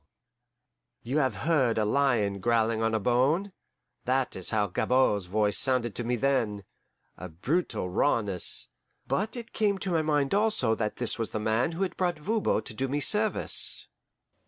You have heard a lion growling on a bone. That is how Gabord's voice sounded to me then a brutal rawness; but it came to my mind also that this was the man who had brought Voban to do me service!